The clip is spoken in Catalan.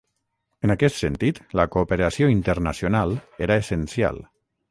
En aquest sentit, la cooperació internacional era essencial.